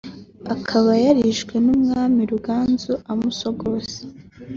akaba yarishwe n’umwami Ruganzu amusogose